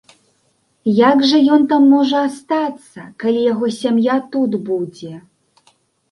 Як жа ён там можа астацца, калі яго сям'я тут будзе.